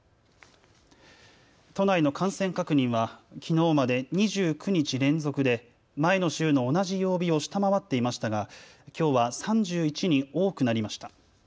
都内の感染確認はきのうまで２９日連続で前の週の同じ曜日を下回っていましたが、きょうは３１人多くなりました。